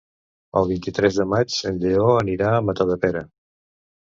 El vint-i-tres de maig en Lleó anirà a Matadepera.